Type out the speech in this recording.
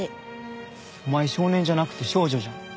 お前少年じゃなくて少女じゃん。